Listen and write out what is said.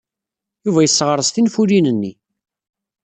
Yuba yesseɣres tinfulin-nni.